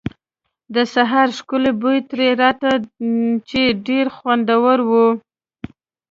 د سهار ښکلی بوی ترې راته، چې ډېر خوندور و.